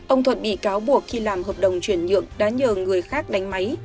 ông thuận bị cáo buộc khi làm hợp đồng chuyển nhượng đã nhờ người khác đánh máy